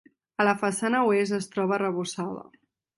A la façana oest, es troba arrebossada.